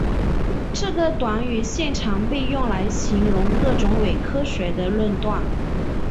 这个短语现常被用来形容各种伪科学的论断。